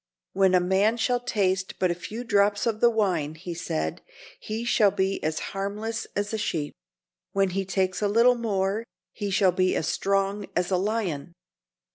"When a man shall taste but a few drops of the wine," he said, "he shall be as harmless as a sheep. When he takes a little more he shall be as strong as a lion."